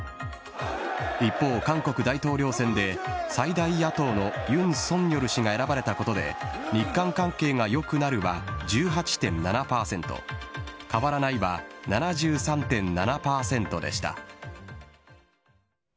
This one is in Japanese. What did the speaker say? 一方、韓国大統領選で最大野党のユン・ソンニョル氏が選ばれたことで、日韓関係がよくなるは１８．７％、変わらないは７３．７％でした。